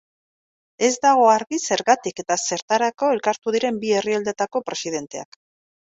Ez dago argi zergatik eta zertarako elkartuko diren bi herrialdeetako presidenteak.